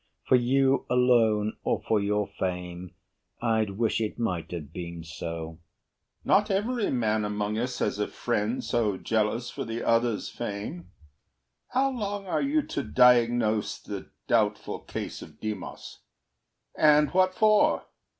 For you alone, Or for your fame, I'd wish it might have been so. HAMILTON Not every man among us has a friend So jealous for the other's fame. How long Are you to diagnose the doubtful case Of Demos and what for?